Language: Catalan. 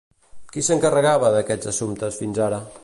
Qui s'encarregava d'aquests assumptes fins ara?